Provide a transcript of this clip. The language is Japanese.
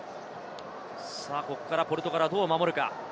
ここからポルトガルはどう守るか。